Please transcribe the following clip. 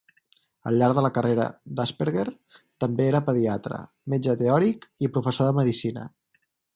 Al llarg de la carrera d'Asperger, també era pediatre, metge teòric i professor de medicina.